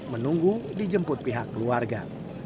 menunggu dijemput pihak keluarga